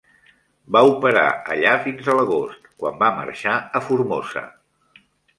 Va operar allà fins a l'agost, quan va marxar a Formosa.